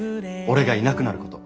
俺がいなくなること。